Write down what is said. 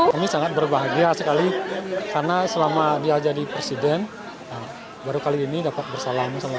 kami sangat berbahagia sekali karena selama dia jadi presiden baru kali ini dapat bersalam